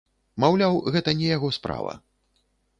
Маўляў, гэта не яго справа.